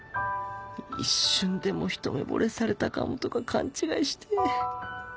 一瞬でもひと目ぼれされたかもとか勘違いして